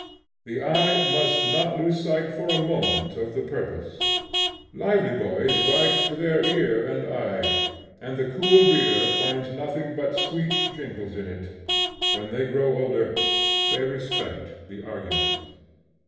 The eye must not lose sight for a moment of the purpose. Lively boys write to their ear and eye, and the cool reader finds nothing but sweet jingles in it. When they grow older, they respect the argument.